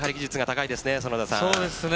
そうですね。